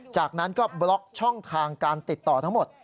จากนั้นก็บล็อกช่องทางการติดต่อทั้งหมด